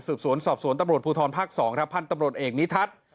สืบสวนสอบสวนตำรวจภูทรภักดิ์๒ทัพพันธ์ตำรวจเอกนิทัศน์